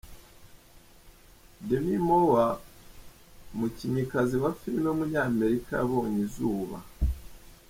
Demi Moore, umukinnyikazi wa filime w’umunyamerika yabonye izuba.